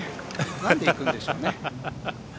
なんでいくんでしょうね。